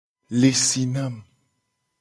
Le si nam.